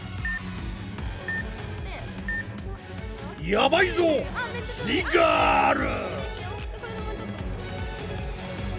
やばいぞすイガール！